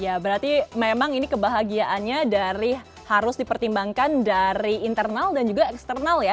ya berarti memang ini kebahagiaannya dari harus dipertimbangkan dari internal dan juga eksternal ya